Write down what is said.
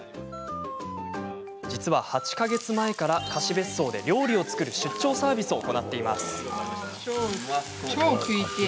実は８か月前から貸し別荘で料理を作る出張サービスを行っています。